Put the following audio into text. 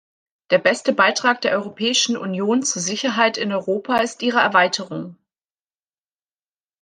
Der beste Beitrag der Europäischen Union zur Sicherheit in Europa ist ihre Erweiterung.